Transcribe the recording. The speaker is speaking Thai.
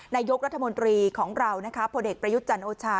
นายกรัฐมนตรีของเรานะคะพลเอกประยุทธ์จันทร์โอชา